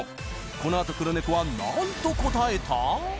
このあと黒ネコは何と答えた？